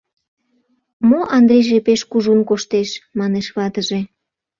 — Мо Андрийже пеш кужун коштеш? — манеш ватыже.